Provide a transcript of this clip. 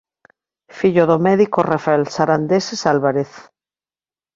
Fillo do médico Rafael Sarandeses Álvarez.